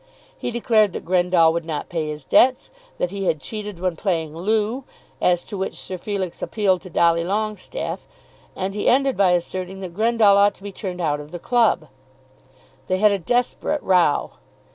He declared that Grendall would not pay his debts, that he had cheated when playing loo, as to which Sir Felix appealed to Dolly Longestaffe; and he ended by asserting that Grendall ought to be turned out of the club. They had a desperate row.